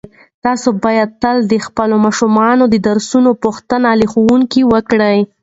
تاسو باید تل د خپلو ماشومانو د درسونو پوښتنه له ښوونکو وکړئ.